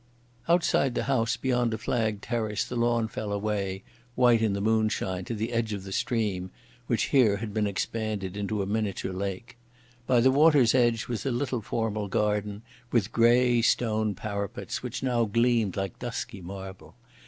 Outside the house beyond a flagged terrace the lawn fell away, white in the moonshine, to the edge of the stream, which here had expanded into a miniature lake. By the water's edge was a little formal garden with grey stone parapets which now gleamed like dusky marble.